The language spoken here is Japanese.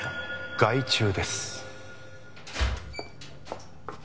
☎害虫です